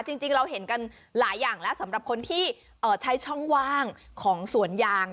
จริงเราเห็นกันหลายอย่างแล้วสำหรับคนที่ใช้ช่องว่างของสวนยาง